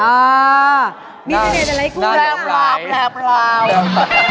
อ่ามีเสน่ห์แต่ไหล่กูแบบราว